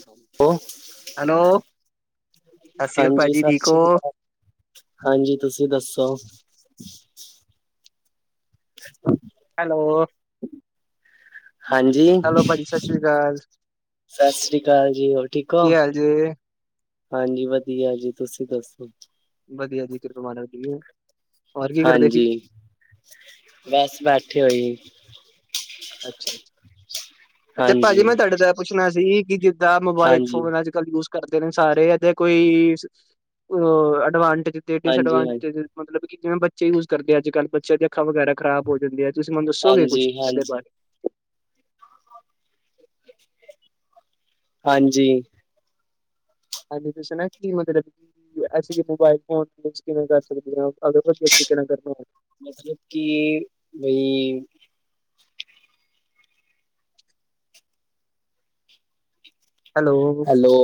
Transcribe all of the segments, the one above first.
Hello, hello, ਸਤਿ ਸ੍ਰੀ ਅਕਾਲ ਹਾਂਜੀ ਭਾਜੀ ਸਤਿ ਠੀਕ ਸ਼੍ਰੀ ਹੋ? ਅਕਾਲ। ਹਾਂਜੀ ਤੁਸੀਂ ਦੱਸੋ? [unintelligible] ਹੈਲੋ ਹਾਂਜੀ, ਹੈਲੋ ਭਾਜੀ ਸਤਿ ਸ੍ਰੀ ਅਕਾਲ, ਸਤਿ ਸ੍ਰੀ ਅਕਾਲ ਜੀ ਹੋਰ ਠੀਕ ਓ। ਕੀ ਹਾਲ ਜੇ? ਹਾਂਜੀ ਵਧੀਆ ਜੀ ਤੁਸੀਂ ਦੱਸੋ? ਵਧੀਆ ਜੀ ਕਿਰਪਾ ਮਾਲਕ ਦੀ ਏ। ਹਾਂਜੀ, ਬਸ ਬੈਠੇ ਹੋਏ। ਅੱਛਾ ਜੀ, ਅੱਛਾ ਭਾਜੀ ਹਾਂਜੀ ਮੈਂ ਤੁਹਾਡੇ ਤੋਂ ਪੁੱਛਣਾ ਸੀ। ਕਿ ਜਿੱਦਾਂ ਮੋਬਾਇਲ ਹਾਂਜੀ ਫੋਨਾਂ ਚ ਯੂਜ ਕਰਦੇ ਨੇ ਸਾਰੇ ਇਹਦੇ ਕੋਈ, ਅ-ਅਡਵਾਂਟੇਜ ਤੇ ਹਾਂਜੀ ਹਾਂ ਡਿਸਐਡਵਾਂਟਜ, ਮਤਲਬ ਕਿ ਜਿਵੇਂ ਬੱਚੇ ਯੂਜ ਕਰਦੇ ਆ, ਅੱਜ ਕੱਲ੍ਹ ਬੱਚਿਆਂ ਦੀ ਅੱਖਾਂ ਵਗੈਰਾ ਖਰਾਬ ਹੋ ਜਾਂਦੀਆਂ। ਤੁਸੀਂ ਮਨੂੰ ਦੱਸੋਗੇ ਹਾਂਜੀ ਕੁਛ ਇਹਦੇ ਹਾਂਜੀ ਬਾਰੇ ਹਾਂਜੀ ਇਦਾਂ ਕਿਸੇ ਨੇ, ਨੀ ਲੈਕੇ ਦੇਣੀ ਜੀ। ਐੇ ਕਿ, ਮੋਬਾਇਲ ਫੋਨ ਕਿਵੇਂ ਕਰ ਸਕਦੇ, ਅਗਰ ਵਧੀਆ ਤਰੀਕੇ ਨਾਲ ਕਰਨਾ ਮਤਲਬ ਕਿ ਬਈ ਹੈਲੋ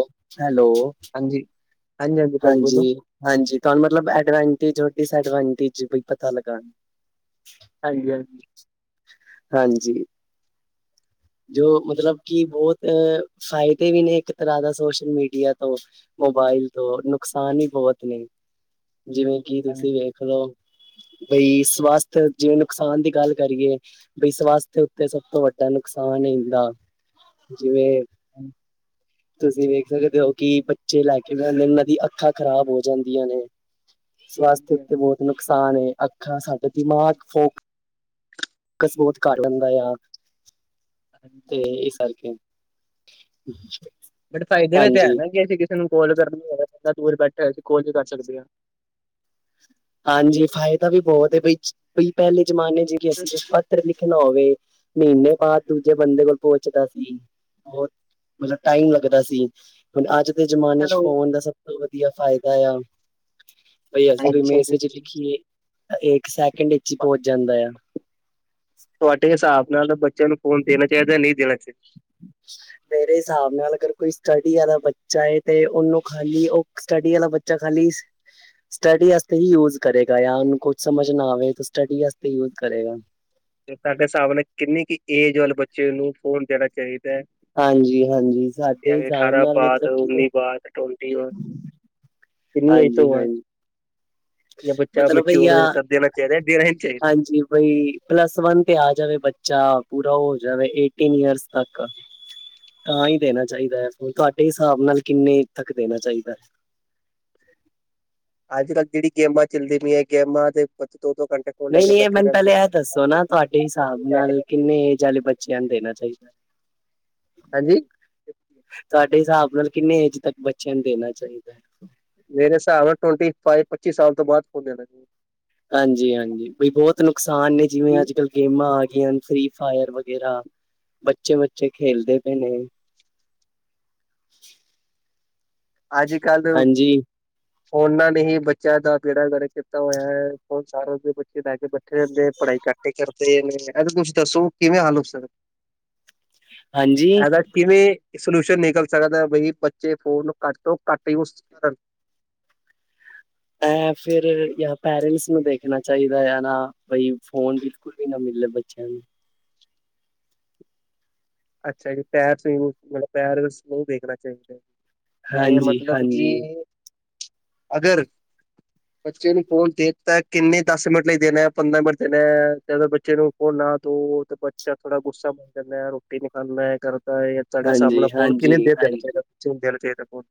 ਹੈਲੋ ਹਾਂਜੀ, ਹਾਂਜੀ ਭਾਜੀ ਬੋਲੋ। ਹਾਂਜੀ ਹਾਂਜੀ, ਤੁਹਾਨੂੰ ਮਤਲਬ ਐਡਵਾਂਟੇਜ ਔਰ ਡਿਸਐਡਵਾਂਟੇਜ ਪਤਾ ਲੱਗਾ। ਹਾਂਜੀ-ਹਾਂਜੀ। ਹਾਂਜੀ। ਜੋ ਮਤਲਬ ਕਿ ਬਹੁਤ ਫਾਇਦੇ ਵੀ ਨੇ ਇੱਕ ਤਰ੍ਹਾਂ ਦਾ ਸੋਸ਼ਲ ਮੀਡੀਆ ਤੋਂ ਮੋਬਾਇਲ ਤੋਂ ਨੁਕਸਾਨ ਹੀ ਬਹੁਤ ਨੇ ਜਿਵੇਂ, ਕਿ ਹਾਂਜੀ ਤੁਸੀਂ ਵੇਖ ਲਓ। ਬਈ ਸਵਸਥ ਜਿਵੇਂ- ਨੁਕਸਾਨ ਦੀ ਗੱਲ ਕਰੀਏ। ਬਈ ਸਵਸਥ ਉੱਤੇ ਸਭ ਤੋਂ ਵੱਡਾ ਨੁ ਨੁਕਸਾਨ ਹੁੰਦਾ, ਜਿਵੇਂ ਹੂੰ। ਤੁਸੀਂ ਵੇਖ ਸਕਦੇ ਓ ਕਿ ਬੱਚੇ, ਲੈ ਕੇ ਨਾਂ ਇਹਨਾਂ ਦੀ ਅੱਖਾਂ ਖ਼ਰਾਬ ਹੋ ਜਾਂਦੀਆਂ ਨੇ। ਸਵਸਥ ਹਾਂਜੀ ਉੱਤੇ ਹਾਂਜੀ ਬਹੁਤ ਨੁਕਸਾਨ ਏ, ਅੱਖਾਂ ਸਾਡੇ ਦਿਮਾਗ ਫੋਕ ਬਸ ਬਹੁਤ ਕਰ ਲੈਂਦਾ ਆ, ਤੇ ਹਾਂਜੀ ਏਸ ਕਰਕੇ। [inaudible] ਬਟ ਫਾਇਦੇ ਵਿੱਚ ਹੈ ਹਾਂਜੀ ਨਾ। ਕਿ ਅਸੀਂ ਕਿਸੇ ਨੂੰ ਕੌਲ ਕਰਨੀ ਦੂਰ ਬੈਠੇ, ਅਸੀਂ ਕੋਲ ਵੀ ਕਰ ਸਕਦੇ ਹਾਂ। ਹਾਂਜੀ ਫ਼ਾਇਦਾ ਵੀ ਬਹੁਤ ਬਈ, ਬ ਪਹਿਲੇ ਜਮਾਨੇ ਚ ਕਿ ਅਸੀਂ ਪੱਤਰ ਲਿਖਣਾ ਹੋਵੇ ਮਹੀਨੇ ਬਾਅਦ ਦੂਜੇ ਬੰਦੇ ਕੋਲ ਪਹੁੰਚਦਾ ਸੀ। ਬਹੁਤ ਮਤਲਬ ਟਾਈਮ ਲੱਗਦਾ ਸੀ। ਹੁਣ ਅੱਜ ਦੇ ਜਮਾਨੇ ਚ ਹੈਲੋ ਫੋਨ ਦਾ ਸਭ ਤੋਂ ਵਧੀਆ ਫਾਇਦਾ ਆ ਬਾਈ ਅਸੀ ਅੱਛਾ ਮੇਲ ਜੀ ਲਿਖੀਏ ਇੱਕ ਸੈਕਿੰਡ ਵਿੱਚ ਹੀ ਪਹੁੰਚ ਜਾਂਦਾ ਆ। ਤੁਹਾਡੇ ਹਿਸਾਬ ਨਾਲ ਤਾਂ ਬੱਚਿਆਂ ਨੂੰ ਫੋਨ ਦੇਣਾ ਚਾਹੀਦਾ ਜਾਂ ਨਹੀਂ ਦੇਣਾ ਚਾਹੀਦਾ? ਮੇਰੇ ਹਿਸਾਬ ਨਾਲ ਅਗਰ ਕੋਈ ਸਟੱਡੀ ਵਾਲਾ ਬੱਚਾ ਹੈ ਤੇ ਉਹਨੂੰ ਖਾਲੀ ਉਹ ਸਟਡੀ ਵਾਲਲਾ ਬੱਚਾ ਖਾਲੀ ਸਟੱਡੀ ਵਾਸਤੇ ਹੀ ਯੂਜ ਕਰੇਗਾ ਜਾਂ ਉਹਨੂੰ ਕੁਛ ਸਮਝ ਨਾ ਆਵੇ ਤਾਂ ਸਟੱਡੀ ਵਾਤੇ ਯੂਜ ਕਰੇਗਾ। ਤੁਹਾਡੇ ਹਿਸਾਬ ਨੇ ਕਿੰਨੀ ਕੁ ਏਜ ਵੱਲ ਬੱਚੇ ਨੂੰ ਫੋਨ ਦੇਣਾ ਚਾਹੀਦਾ ਹੈ? ਹਾਂਜੀ-ਹਾਂਜੀ, ਸਾਡੇ ਯਾਨੀ ਹਿਸਾਬ ਅਠਾਰਾਂ ਨਾਲ ਬਾਅਦ ਮਤਲਬ ਕਿ ਉੱਨੀ ਬਾਅਦ ਟਵੰਟੀ ਬਾਅਦ ਕਿੰਨੀ ਏਜ ਤੋਂ ਬਾਅਦ ਹਾਂਜੀ-ਹਾਂਜੀ। ਜਾਂ ਬੱਚਾ ਮਤਲਬ ਮੈਚਿਓਰ ਯਾ ਹੋਏ ਤਦ ਦੇਣਾ ਚਾਹੀਦਾ ਦੇਣਾ ਹੀ ਨਹੀਂ ਚਾਹੀਦਾ ਹਾਂਜੀ, ਬਈ ਪਲੱਸ ਵਨ ਤੇ ਆ ਜਾਵੇ ਬੱਚਾ ਪੂਰਾ ਹੋ ਜਾਵੇ ਏਟੀਨ ਈਅਰਸ ਤੱਕ। ਤਾਂ ਹੀ ਦੇਣਾ ਚਾਹੀਦਾ ਹੈ, ਤੁਹਾਡੇ ਹਿਸਾਬ ਨਾਲ ਕਿੰਨੇ ਤੱਕ ਦੇਣਾ ਚਾਹੀਦਾ ਹੈ? ਅੱਜ-ਕੱਲ ਜਿਹੜੀ ਗੇਮਾਂ ਚੱਲਦੀ ਪਈਆਂ ਗੇਮਾਂ ਦੇ ਦੋ-ਦੋ ਘੰਟੇ ਫੋਨ ਲੈ ਕੇ ਨਹੀਂ-ਨਹੀਂ, ਇਹ ਬੈਠੇ ਮੈਨੂੰ ਪਹਿਲੇ ਇਹ ਦੱਸੋ ਨਾ ਰਹਿੰਦੇ ਤੁਹਾਡੇ ਹਿਸਾਬ ਨਾਲ ਕਿੰਨੇ ਏਜ ਵਾਲੇ ਬੱਚਿਆਂ ਨੂੰ ਦੇਣਾ ਚਾਹੀਦਾ? [inaudible] ਹਾਂਜੀ। ਤੁਹਾਡੇ ਹਿਸਾਬ ਨਾਲ ਕਿੰਨੇ ਏਜ ਤੱਕ ਬੱਚਿਆਂ ਨੂੰ ਦੇਣਾ ਚਾਹੀਦਾ ਹੈ? ਮੇਰੇ ਹਿਸਾਬ ਨਾਲ ਟਵੈਂਟੀ ਫਾਈਵ ਪੱਚੀ ਸਾਲ ਤੋਂ ਬਾਦ ਫੋਨ ਦੇਣਾ ਚਾਹੀਦਾ। ਹਾਂਜੀ-ਹਾਂਜੀ, ਬਈ ਬਹੁਤ ਨੁਕਸਾਨ ਨੇ ਜਿਵੇਂ ਚਾਹੀਦਾ ਅੱਜ-ਕੱਲ੍ਹ ਗੇਮਾਂ ਆ ਗਈਆਂ ਫ੍ਰਰੀ ਫਾਇਰ ਵਗੈਰਾ ਬੱਚੇ-ਬੱਚੇ ਖੇਲਦੇ ਪਏ ਨੇ। [inaudible] ਅਜ-ਕੱਲ ਦੇ ਹਾਂਜੀ ਫੋਨਾ ਨਹੀਂ ਬੱਚਿਆਂ ਦਾ ਬੀੜਾ ਕਰ ਕੀਤਾ ਹੋਇਆ ਹੈ ਫੋਨ ਸਾਰਾ ਲੈ ਕੇ ਬੈਠੇ ਰਹਦੇ ਆ ਪੜ੍ਹਾਈ ਘੱਟ ਹੀ ਕਰ ਇਹਦਾ ਕੁੱਛ ਦੱਸੋ ਕਿਵੇਂ ਹਲ ਹੋ ਸਕਦਾ ਹਾਂਜੀ ਇਹਦਾ ਕਿਵੇਂ ਸਲਿਊਸ਼ਨ ਨਿਕਲ ਸਕਦਾ ਬਈ ਬੱਚੇ ਫੋਨ ਘੱਟ ਤੋਂ ਘੱਟ ਯੂਜ ਕਰਨ। ਐ ਫਿਰ ਯ ਪੇਰੈਂਟਸ ਨੂੰ ਦੇਖਣਾ ਚਾਹੀਦਾ ਆ ਨਾ ਬਈ ਫੋਨ ਵੀ ਸਕੂਲ ਵੀ ਨਾ ਮਿਲਲੇ ਬੱਚਿਆਂ ਨੂੰ। ਅੱਛਾ ਜੀ, ਪੈਰਟਸ ਮਤਲਬ ਪੈਰਟਸ ਨੂੰ ਦੇਖਣਾ ਚਾਹੀਦਾ। ਇਹ ਹਾਂਜੀ ਮਤਲਬ ਕਿ ਹਾਂਜੀ ਅਗਰ [inaudible] ਬੱਚੇ ਨੂੰ ਫੋਨ ਦੇ ਦਿੱਤਾ ਕਿੰਨੇ ਦਸ ਮਿੰਟ ਲਈ ਦੇਣਾ, ਪੰਦਰਾਂ ਮਿੰਟ ਦੇਣਾ ਹੈ ਜਦੋਂ ਬੱਚੇ ਨੂੰ ਫੋਨ ਨਾ ਦੋ ਤੇ ਉਹ ਬੱਚਾ ਥੋੜਾ ਗੁੱਸਾ ਮਨ ਜਾਂਦਾ ਹੈ ਰੋਟੀ ਨੀ ਖਾਂਦਾ ਹੈ ਇਹ ਕਰਦਾ ਹੈ। ਸਾਡੇ ਸਾਹਮ ਹਾਂਜੀ ਫੋਨ ਕਿ ਨਹੀਂ ਹਾਂਜੀ ਦੇਣਾ ਹਾਂਜੀ ਚਾਹੀਦਾ ਨਹੀਂ ਦੇਣਾ ਚਾਹੀਦਾ ਫੋਨ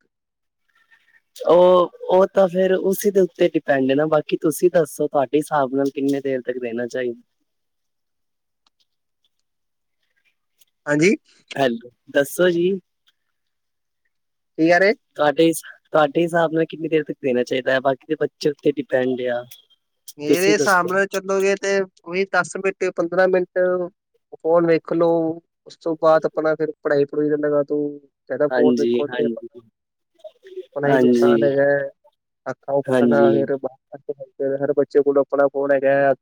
ਉਹ ਉਹ ਤਾਂ ਫਿਰ ਉਸ ਦੇ ਉੱਤੇ ਡਿਪੈਂਡ ਨਾ ਬਾਕੀ ਤੁਸੀਂ ਦੱਸੋ ਤੁਹਾਡੇ ਹਿਸਾਬ ਨਾਲ ਕਿੰਨੇ ਦੇਰ ਤੱਕ ਦੇਣਾ ਚਾਹੀਦਾ ਹਾਂਜੀ ਹੈਲੋ ਦੱਸੋ ਜੀ ਕੀ ਕਹਿ ਰਹੇ ਤੁਹਾਡੇ-ਤੁਹਾਡੇ ਹਿਸਾਬ ਨਾਲ ਕਿੰਨੀ ਦੇਰ ਤੱਕ ਦੇਣਾ ਚਾਹੀਦਾ ਹੈ ਬਾਕੀ ਦੇ ਬੱਚੇ ਉੱਤੇ ਡਿਪੈਂਡ ਆ। ਮੇਰੇ ਤੁਸੀਂ ਹਿਸਾਬ ਦੱਸੋ ਨਾਲ ਚੱਲੋਗੇ ਤੇ ਉਹੀ ਦਸ ਮਿੰਟ, ਪੰਦਰਾਂ ਮਿੰਟ ਫੋਨ ਵੇਖਲੋ ਉਸ ਤੋਂ ਬਾਅਦ ਆਪਣਾ ਫਿਰ ਪੜ੍ਹਾਈ- ਪੜੁਈ ਦਾ ਲਗਾਦੋ। ਕਿੰਦਾ ਫੋਨ ਹਾਂਜੀ ਵੇਖੋ ਤੇ ਹਾਂਜੀ ਪਤਾ ਆਪਣਾ ਹੀ ਨੁਕਸਾਨ ਹਾਂਜੀ ਹੈਗਾ ਅੱਖਾਂ-ਉਖਾਂ ਦਾ ਹਾਂਜੀ ਫੇਰ ਬਾਹਰ ਫਿਰ ਹਰ ਬੱਚੇ ਕੋਲ ਆਪਣਾ ਫੋਨ ਹੈਗਾ ਅਜ।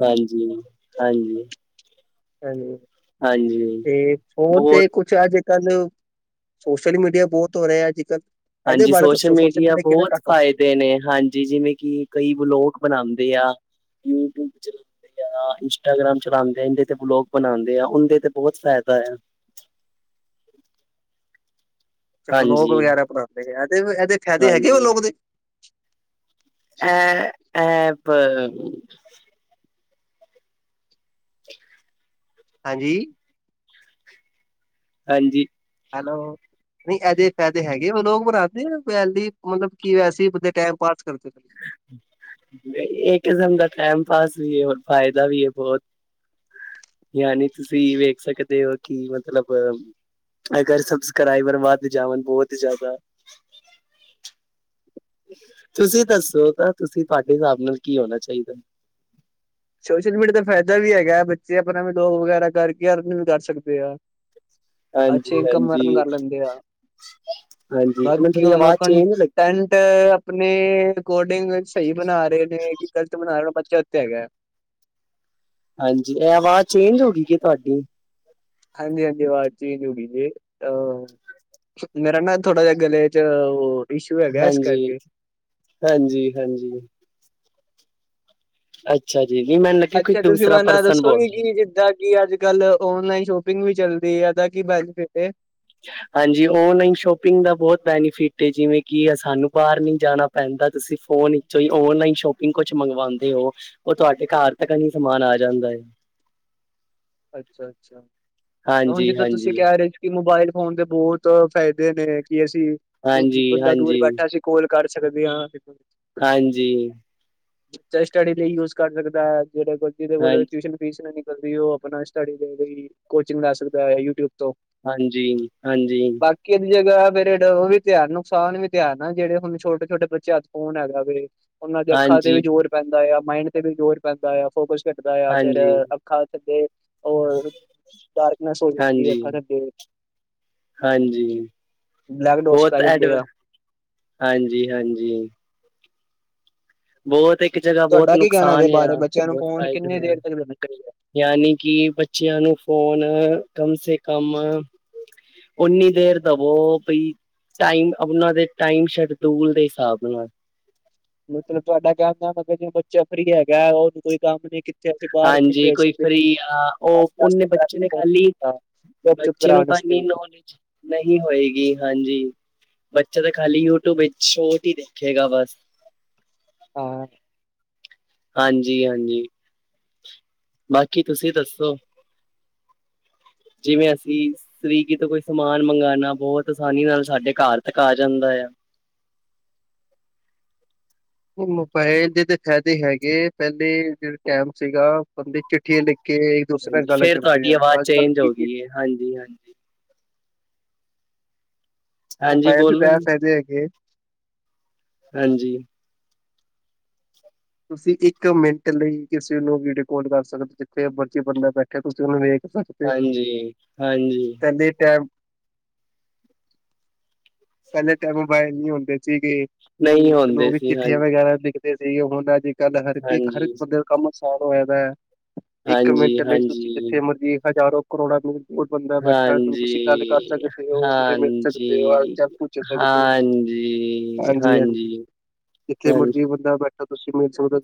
ਹਾਂਜੀ-ਹਾਂਜੀ। ਹਾਂਜੀ। ਹਾਂਜੀ। ਤੇ ਫੋਨ ਬਹੁਤ ਤੇ ਕੁਛ ਅੱਜ-ਕੱਲ ਸੋਸ਼ਲ ਮੀਡੀਆ ਬਹੁਤ ਹੋ ਰਿਹਾ ਅੱਜ-ਕੱਲ। ਹਾਂਜੀ ਸੋਸ਼ਲ ਮੀਡੀਆ ਬਹੁਤ ਫਾਇਦੇ ਨੇ ਹਾਂਜੀ ਜੀ ਜਿਵੇਂ ਕਿ ਕਈ ਵਲੋਗ ਬਣਾਉਂਦੇ ਆ ਯੂਟਿਊਬ ਚ ਜਾਂ ਇੰਸਟਾਗ੍ਰਾਮ ਚਲਾਉਂਦੇ ਆਦੇ ਤੇ ਬਲੋਗ ਬਣਾਉਂਦੇ ਆ ਉਹਦੇ ਤੇ ਬਹੁਤ ਫਾਇਦਾ ਆ ਚ ਫਲੋ ਹਾਂਜੀ ਵਗੈਰਾ ਬਣਾਉਦੇ ਆ ਇਹਦੇ ਇਹਦੇ ਫ਼ਾਇਦੇ ਹੈਗੇ ਵ ਹਾਂਜੀ ਲੋਕ ਦੇ ਅ ਠ ਹਾਂਜੀ ਹਾਂਜੀ ਹੈਲੋ ਨਹੀਂ ਇਹਦੇ ਫਾਇਦੇ ਹੈਗੇ ਉਹ ਲੋਕ ਬਰਾ ਵੈਲੀ ਮਤਲਬ ਕੀ ਵੈਸੀ ਬੰਦੇ ਟੈਮ ਪਾਸ ਕਰਦੇ ਇਹ ਕਿਸਮ ਦਾ ਟਾਈਮ ਪਾਸ ਵੀ ਹੈ ਹੋਰ ਫਾਇਦਾ ਵੀ ਹੈ ਬਹੁਤ ਯਾਨੀ ਤੁਸੀਂ ਵੇਖ ਸਕਦੇ ਹੋ ਕਿ ਮਤਲਬ ਅਗਰ ਸਬਸਕਰਾਈਬਰ ਵੱਧ ਜਾਵਣ ਬਹੁਤ ਜ਼ਿਆਦਾ ਤੁਸੀਂ ਦੱਸੋ ਤਾਂ ਤੁਸੀਂ ਤੁਹਾਡੇ ਹਿਸਾਬ ਨਾਲ ਕੀ ਹੋਣਾ ਚਾਹੀਦਾ ਸੋਸ਼ਲ ਮੀਡੀਆ ਦਾ ਫਾਇਦਾ ਵੀ ਹੈਗਾ ਬੱਚੇ ਆਪਣਾ ਵੀ ਬਲੋਕ ਵਗੈਰਾ ਕਰਕੇ ਅਰਨਿੰਗ ਵੀ ਕਰ ਸਕਦੇ ਆ [unintelligible] [inaudible] ਅੱਛੀ ਹਾਂਜੀ ਇਨਕਮ ਹਾਂਜੀ ਅਰਨ ਕਰ ਲੈਂਦੇ ਆ ਹਾਂਜੀ ਮੈਨੂੰ ਬਾਕੀ ਥੋਡੀ ਹੁਣ ਆਵਾਜ਼ ਚੇਂਜ ਲੱਗੀ ਕੰਟੈਂਟ ਆਪਣੇ ਅ ਕੋਡਿੰਗ ਸਹੀ ਬਣਾ ਰਹੇ ਨੇ ਕਿ ਗ਼ਲਤ ਬਣਾ ਰਹੇ ਨੇ ਬੱਚਾ ਉੱਥ ਹੈਗਾ ਹਾਂਜੀ ਇਹ ਆਵਾਜ਼ ਚੇਂਜ ਹੋ ਗਈ ਕਿ ਤੁਹਾਡੀ ਹਾਂਜੀ ਹਾਂਜੀ ਆਵਾਜ਼ ਚ ਜੁੜੀ ਜੇ ਅਹ ਮੇਰਾ ਨਾ ਥੋੜਾ ਜਿਹਾ ਗਲੇ ਚ ਉਹ ਇਸ਼ੂ ਹੈਗਾ ਇਸ ਹਾਂਜੀ ਕਰਕੇ ਹਾਂਜੀ ਹਾਂਜੀ ਅੱਛਾ ਜੀ ਨਹੀਂ ਮੈਨੂੰ ਲੱਗਿਆ ਕੋਈ ਦੂਸਰਾ ਪਰਸਨ ਬੋਲਦੇ ਕੀ ਅੱਜ ਕੱਲ ਔਨਲਾਈਨ ਸ਼ੋਪਿੰਗ ਵੀ ਚੱਲਦੀ ਹੈ ਇਹਦਾ ਕੀ ਬੈਨੀਫਿਟ ਹਾਂਜੀ ਓਨਲਾਈਨ ਸ਼ੋਪਿੰਗ ਦਾ ਬਹੁਤ ਬੈਨੀਫਿਟ ਜਿਵੇਂ ਕਿ ਸਾਨੂੰ ਬਾਹਰ ਨੀ ਜਾਣਾ ਪੈਂਦਾ ਤੁਸੀਂ ਫੋਨੋਂ ਹੀ ਔਨਲਾਈਨ ਸ਼ੋਪਿੰ ਕੁਛ ਮੰਗਵਾਉਂਦੇ ਹੋ ਉਹ ਤੁਹਾਡੇ ਘਰ ਤੱਕ ਨਹੀਂ ਸਮਾਨ ਆ ਜਾਂਦਾ ਹੈ ਅੱਛਾ ਅੱਛਾ ਤਾਂ ਹੁਣ ਹਾਂਜੀ ਜਿੱਦਾਂ ਤੁਸੀਂ ਹਾਂਜੀ ਕਹਿ ਰਹੇ ਹੋ ਕਿ ਮੋਬਾਇਲ ਫੋਨ ਦੇ ਬਹੁਤ ਫ਼ਾਇਦੇ ਨੇ ਕਿ ਅਸੀਂ ਹਾਂਜੀ ਬੰਦਾ ਦੂਰ ਹਾਂਜੀ ਬੈਠਾ ਸੀ ਕੋਲ ਕਰ ਸਕਦੇ ਹਾਂ ਹਾਂਜੀ ਬੱਚਾ ਸਟੱਡੀ ਲਈ ਯੂਜ ਕਰ ਸਕਦਾ ਜਿਹੜੇ ਕੋ ਜਿਹਦੇ ਕੋਲ ਹਾਂਜੀ ਟਿਊਸ਼ਨ ਫੀਸ ਨਾ ਨਿਕਲਦੀ ਉਹ ਆਪਣਾ ਸਟੱਡੀ ਦੇ ਲਈ ਕੋਚਿੰਗ ਲੈ ਸਕਦਾ ਯੂਟਿਊਬ ਤੋਂ ਹਾਂਜੀ ਹਾਂਜੀ ਬਾਕੀ ਇਹਦੀ ਜਗ੍ਹਾ ਫ ਉਹ ਵੀ ਤਿਆਰ ਨੁਕਸਾਨ ਵੀ ਤਿਆਰ ਨਾ ਜਿਹੜੇ ਹੁਣ ਛੋਟੇ ਛੋਟੇ ਬੱਚੇ ਅੱਜ ਫੋਨ ਹੈਗਾ ਵੀ ਉਹਨਾਂ ਦੇ ਅੱਖਾਂ ਤੇ ਵੀ ਹਾਂਜੀ ਜ਼ੋਰ ਪੈਂਦਾ ਆ ਮਾਇੰਡ ਤੇ ਵੀ ਜ਼ੋਰ ਪੈਂਦਾ ਆ ਫੋਕਸ ਖਟਦਾ ਆ ਫੇਿਰ ਹਾਂਜੀ ਅੱਖਾਂ ਥੱਲੇ ਹੋਰ, ਡਾਰਕਨੈਸ ਹੋ ਜਾਂਦੀ ਹੈ, ਹਾਂਜੀ ਅੱਖਾਂ ਦੇ ਅੱਗੇ। ਹਾਂਜੀ, ਬਹੁਤ ਪੈ ਐਡ, ਜਾਂਦੇ ਆ ਹਾਂਜੀ-ਹਾਂਜੀ। ਬਹੁਤ ਇੱਕ ਜਗ੍ਹਾ ਬਹੁਤ ਤੁਹਾਡਾ ਕੀ ਕਹਿਣਾ ਇਹਦੇ ਨੁਕਸਾਨ ਬਾਰੇ ਆ ਬੱਚਿਆਂ ਨੂੰ ਬਹੁਤ ਫੋਨ ਕਿੰਨੀ ਫਾਇਦੇ ਆ ਦੇਰ ਤੱਕ ਦੇਣਾ ਚਾਹੀਦਾ ਯਾਨੀ ਕਿ ਬੱਚਿਆਂ ਨੂੰ ਫੋਨ ਕਮ ਸੇ ਕਮ ਉਓਨੀ ਦੇਰ ਦਾ ਵੋ ਪਈ ਟਾਈਮ ਉਹਨਾਂ ਦੇ ਟਾਈਮ ਸ਼ਡਊਲ ਦੇ ਹਿਸਾਬ ਨਾਲ ਮਤਲਬ ਤੁਹਾਡਾ ਕਿਆ ਹੁੰਦਾ ਮ ਕਿਹਾ ਜ ਬੱਚਾ ਫਰੀ ਹੈਗਾ ਉਹਨੂੰ ਕੋਈ ਕੰਮ ਨੀ ਕੀਤਾ ਹਾਂਜੀ ਕੋਈ ਫਰੀ ਆ ਪੰਜ ਉਹ ਦਸ ਓਨੇ ਪੰਦਰਾਂ ਬੱਚੇ ਮਿੰਟ ਨੇ ਫੋਨ ਦੇ ਖਾਲੀ ਦਿੱਤਾ ਚੁੱਪ ਚੁੱਪ ਬੱਚੇ ਨੂੰ ਕਰਾਉਣ ਤਾਂ ਇਨੀ ਵਾਸਤੇ ਨੌਲੇਜ ਨਹੀਂ ਹੋਏਗੀ ਹਾਂਜੀ ਬੱਚਾ ਤਾਂ ਖਾਲੀ ਯੂਟਿਊਬ ਵਿੱਚ ਸ਼ੋਟ ਹੀ ਦੇਖੇਗਾ ਬਸ ਹਾਂ। ਹਾਂਜੀ-ਹਾਂਜੀ। ਬਾਕੀ ਤੁਸੀਂ ਦੱਸੋ! ਜਿਵੇਂ, ਅਸੀ ਸਵੀਗੀ ਤੋਂ ਕੋਈ ਸਮਾਨ ਮੰਗਾਣਾ, ਬਹੁਤ ਆਸਾਨੀ ਨਾਲ ਸਾਡੇ ਘਰ ਤੱਕ ਆ ਜਾਂਦਾ ਤਾਂ। ਮੋਬਾਇਲ ਦੇ ਤਾਂ ਫਾਇਦੇ ਹੈਗੇ, ਪਹਿਲੇ, ਜਿਹੜੇ ਟਾਈਮ ਸੀਗਾ, ਬੰਦੇ ਚਿੱਠੀਆਂ ਲਿਖਕੇ ਹਾਂਜੀ, ਫੇਰ ਤੁਹਾਡੀ ਆਵਾਜ਼ ਚੇਂਜ ਹੋ ਗਈ ਹੈ, ਹਾਂਜੀ-ਹਾਂਜੀ। ਹਾਂਜੀ, ਮੋਬਾਇਲ ਦੇ ਬੋਲੋ ਤਾਂ ਇਹ ਜੀ, ਫਾਇਦੇ ਹੈਗੇ ਹਾਂਜੀ। ਤੁਸੀਂ ਇੱਕ ਮਿੰਟ ਲਈ ਕਿਸੇ ਨੂੰ ਵੀਡੀਓ ਕਾਲ ਕਰ ਸਕਦੇ ਹੋ, ਜਿੱਥੇ ਮਰਜ਼ੀ ਬੰਦਾ ਬੈਠਿਆ, ਤੁਸੀਂ ਉਹਨੂੰ ਵੇਖ ਸਕਦੇ, ਹਾਂਜੀ ਹਾਂਜੀ ਪਹਿਲੇ ਟੈਮ ਪਹਿਲੇ ਟੈਮ ਮੋਬਾਇਲ ਨਹੀਂ ਹੁੰਦੇ ਸੀਗੇ, ਨਹੀਂ ਹੁੰਦੇ ਲੋਕ ਸੀ ਹਾਂ ਚਿੱਠੀਆਂ ਵਗੈਰਾ ਲਿਖਦੇ ਸੀ, ਹੁਣ ਅੱਜ-ਕੱਲ ਹਰ ਇੱਕ, ਹਰ ਇੱਕ ਹਾਂਜੀ ਬੰਦੇ ਦਾ ਕੰਮ ਅਸਾਨ ਹੋਇਆ ਪਿਆ। ਇੱਕ ਮਿੰਟ ਹਾਂਜੀ ਲਈ, ਤੁਸੀਂ ਹਾਂਜੀ ਜਿੱਥੇ ਮਰਜ਼ੀ ਹਜ਼ਾਰੋ, ਕਰੋੜਾਂ ਨੁੰ ਹੋਰ ਬੰਦਾ ਬੈਠਾ, ਤੁਸੀਂ ਗੱਲ ਕਰ ਹਾਂਜੀ ਸਕਦੇ ਹੋ, ਤੁ ਮਿਲ ਸਕਦੇ ਹੋ ਸਕਦੇ ਹੋ ਹਾਨਜੀ- ਹਾਂਜੀ। ਜਿੱਥੇ ਹਾਂਜੀ ਮਰਜ਼ੀ ਬੰਦਾ ਬੈਠਾ, ਤੁਸੀਂ ਮਿਲ ਸਕਦੇ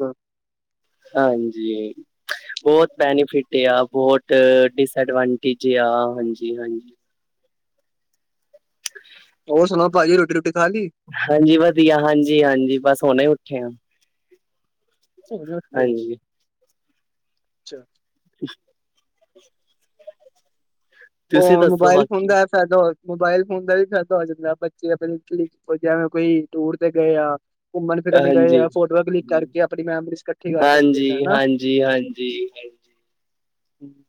ਹਾਂਜੀ। ਬਹੁਤ ਬੈਨੀਫਿਟ ਯਾਂ, ਬਹੁਤ ਡਿਸਐਡਵਾਂਟੇਜ ਯਾਂ, ਹਾਂਜੀ-ਹਾਂਜੀ। [inaudible] ਹੋਰ ਸੁਣਾਓ, ਭਾਜੀ, ਰੋਟੀ-ਰੁਟੀ ਖਾਲੀ? ਹਾਂਜੀ ਵਧੀਆ। ਹਾਂਜੀ-ਹਾਂਜੀ, ਬਸ ਹੁਣੇ ਹੀ ਉੱਠੇ ਆ। ਹਾਂਜੀ ਅੱਛਾ। ਅੱ ਉਹ ਤੁਸੀਂ ਦੱਸੋ ਮੋਬਾਈਲ ਫੋਨ ਬਾਕੀ ਦਾ ਐ ਫਾਇਦਾ ਹੋ ਮੋਬਾਇਲ ਫੋਨ ਦਾ ਵੀ ਫਾਇਦਾ ਹੋ ਜਾਂਦਾ, ਬੱਚੇ ਪਹਿਲ ਜਿਵੇਂ ਕੋਈ, ਟੂਰ ਤੇ ਗਏ ਆ ਘੁੰਮਣ-ਫਿਰਨ ਗਏ ਹਾਂਜੀ ਆ, ਫੋਟੋਆਂ ਕਲਿੱਕ ਕਰਕੇ ਆਪਣੀ ਮੈਮਰੀਜ਼ ਇਕੱਠੀ ਕਰ ਸਕਦੇ, ਹਾਂਜੀ ਹੈਨਾ। ਹਮ ਹਾਂਜੀ ਹਾਂਜੀ [inaudible]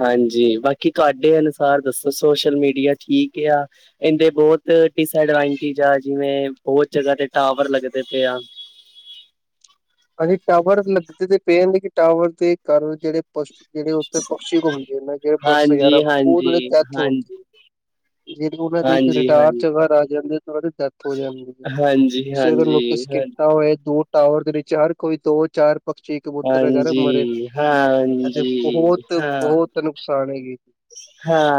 ਹਾਂਜੀ, ਬਾਕੀ ਤੁਹਾਡੇ ਅਨੁਸਾਰ ਦੱਸੋ, ਸੋਸ਼ਲ ਮੀਡੀਆ ਠੀਕ ਯਾ? ਇਂਹਦੇ ਬਹੁਤ ਡਿਸਐਡਵਾਂਟੇਜ ਆ, ਜਿਵੇਂ, ਬਹੁਤ ਜਗ੍ਹਾ ਤੇ ਟਾਵਰ ਲੱਗਦੇ ਪਏ ਆ। ਹਾਂਜੀ, ਟਾਵਰ ਲੱਗਦੇ ਤੇ ਪਏ ਜਾਂਦੇ ਕਿ, ਟਾਵਰ ਦੇ ਕਾਰਨ ਜਿਹੜੇ ਪਸ਼ ਜਿਹੜੇ ਉੱਤੇ ਪਕਸੀ਼ ਘੁੰਮਦੇ ਨਾ ਜਿਹੜੇ, ਬਰਡਸ ਹਾਂਜੀ ਵਗੈਰਾ ਉਹ ਹਾਂਜੀ ਡੈਥ ਹੁੰਦੀ। ਹਾਂਜੀ ਜ ਉਹਨਾਂ ਦੇ ਹਾਂਜੀ ਰਿਟਾਇਰ'ਚ ਹਾਂਜੀ ਅਗਰ ਆ ਜਾਂਦੇ ਉਹ ਦੀ ਡੈਥ ਹੋ ਜਾਂਦੀ। ਹਾਂਜੀ ਤੁਸੀਂ ਅਗਰ ਨੋਟਿਸ ਕੀਤਾ ਹੋਏ, ਦੋ ਟਾਵਰ, ਦੇ, ਚਾਰ ਕੋਈ ਦੋ-ਚਾਰ ਪਕਸ਼ੀ, ਕਬੂਤਰ ਵਗੈਰਾ ਮਰੇ, ਹਾਂਜੀ ਹਾਂ ਹਾਂਜੀ ਇਹਦੇ ਹਾਂਜੀ ਹਾਂ ਬਹੁਤ-ਬਹੁਤ ਨੁਕਸਾਨ ਹੈਗੀ।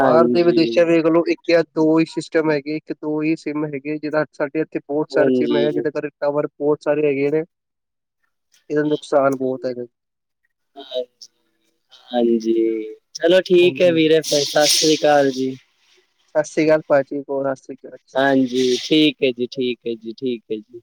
ਬਾਹਰ ਦੇ ਵਿਦੇਸ਼ਾਂ ਦੇ ਲੋਕੀ ਦੋ ਹੀ ਸਿਸਟਮ ਹੈਗੇ, ਇੱਕ-ਦੋ ਹੀ ਸਿੰਮ ਹੈਗੇ, ਜਿਹੜ ਸਾਡੇ ਇੱਥੇ ਬਹੁਤ ਸਾਰੇ ਸਿਮ ਹੈਗੇ ਹਾਂਜੀ ਜਿਹਦੇ ਕਰ ਟਾਵਰ ਬਹੁਤ ਸਾਰੇ ਹੈਗੇ ਨੇ। ਇਹਦਾ ਨੁਕਸਾਨ ਬਹੁਤ ਆ ਇਹਦੇ ਹਾਂਜੀ, ਚਲੋ ਠੀਕ ਹੈ ਹਾਂਜੀ ਹਾਂਜੀ ਵੀਰੇ, ਫਿਰ, ਸਤਿ ਸ੍ਰੀ ਅਕਾਲ ਜੀ। ਸਤਿ ਸ੍ਰੀ ਅਕਾਲ, ਭਾਜੀ, ਸਤ ਸ਼੍ਰੀ ਅਕਾਲ। ਹਾਂਜੀ, ਠੀਕ ਹੈ ਜੀ, ਠੀਕ ਹੈ ਜੀ, ਠੀਕ ਹੈ ਜੀ।